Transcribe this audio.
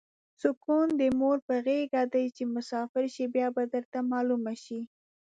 سوکون د مور په غیګه ده چی مسافر شی بیا به درته معلومه شی